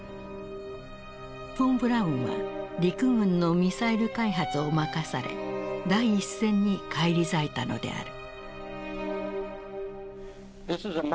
フォン・ブラウンは陸軍のミサイル開発を任され第一線に返り咲いたのである。